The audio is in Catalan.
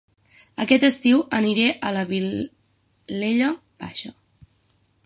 Aquest estiu aniré a La Vilella Baixa